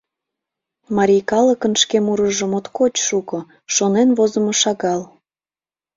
Марий калыкын шке мурыжо моткоч шуко, шонен возымо шагал.